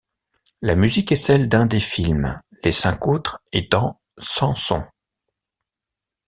La musique est celle d'un des films, les cinq autres étant sans son.